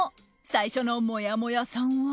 最初のもやもやさんは。